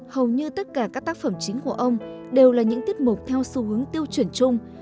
hầu như tất cả các tác phẩm chính của ông đều là những tiết mục theo xu hướng tiêu chuyển chung